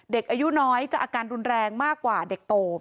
เด็กอายุน้อยจะอาการรุนแรงมากกว่าเด็กโต